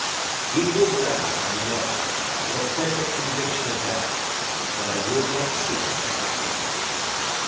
"He will die, I know, I have a perfect conviction of that; but I would not see him die."